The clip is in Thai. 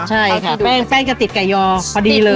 ใช่ค่ะแป้งก็ติดไก่ยอพอดีเลย